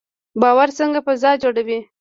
باور څنګه فضا جوړوي؟